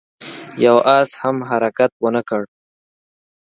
يوه آس هم حرکت ونه کړ.